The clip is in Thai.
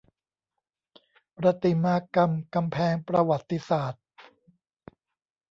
ประติมากรรมกำแพงประวัติศาสตร์